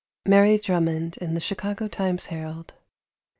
Mary Drummond, in the Chicago Times Herald.